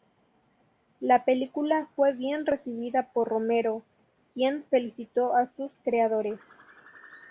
La película fue bien recibida por Romero, quien felicitó a sus creadores.